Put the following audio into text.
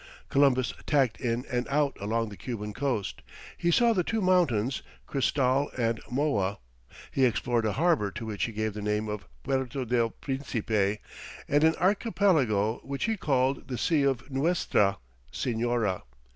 Columbus tacked in and out along the Cuban coast; he saw the two mountains Cristal and Moa; he explored a harbour to which he gave the name of Puerto del Principe, and an archipelago which he called the Sea of Nuestra Señora.